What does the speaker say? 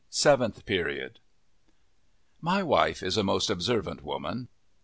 SEVENTH PERIOD My wife is a most observant woman.